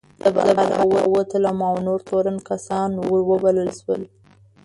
زه بهر راووتلم او نور تورن کسان ور وبلل شول.